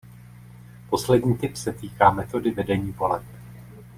Poslední typ se týká metody vedení voleb.